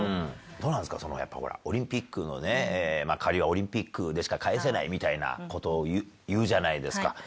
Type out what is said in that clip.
どうなんですか、やっぱほら、オリンピックのね、借りはオリンピックでしか返せないみたいなことを言うじゃないですか。